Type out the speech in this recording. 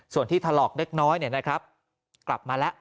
ส่วนที่ทะลอกนึกน้อยนะครับกลับมาแล้ว